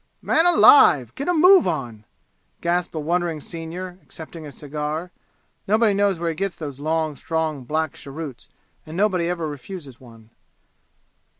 "Man alive get a move on!" gasped a wondering senior, accepting a cigar. Nobody knows where he gets those long, strong, black cheroots, and nobody ever refuses one.